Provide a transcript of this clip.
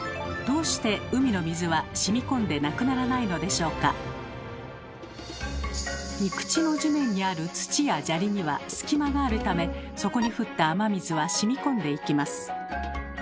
しかし陸地の地面にある土や砂利には隙間があるためそこに降った雨水はしみこんでいきます。